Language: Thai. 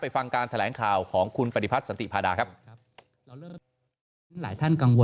ฟังการแถลงข่าวของคุณปฏิพัฒน์สันติพาดาครับ